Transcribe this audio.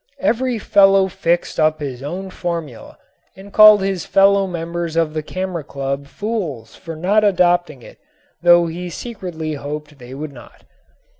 Every fellow fixed up his own formula and called his fellow members of the camera club fools for not adopting it though he secretly hoped they would not.